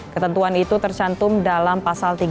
ketentuan itu tercantum dalam pasal tiga ratus empat puluh sembilan